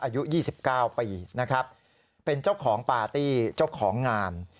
อายุ๒๙ปีนะครับเป็นเจ้าของปาร์ตี้เจ้าของงาน